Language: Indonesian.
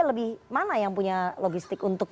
lebih mana yang punya logistik untuk